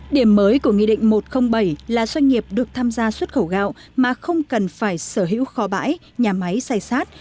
điểm mới của nghị định một trăm linh bảy là doanh nghiệp được tham gia xuất khẩu gạo mà không cần phải sở hữu kho bãi nhà máy xay sát